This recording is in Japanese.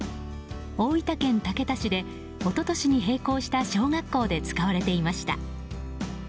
大分県竹田市で一昨年に閉校した小学校で使われていました。